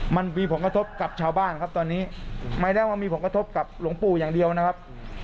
มันมีผลกระทบกับชาวบ้านครับตอนนี้ไม่ได้ว่ามีผลกระทบกับหลวงปู่อย่างเดียวนะครับ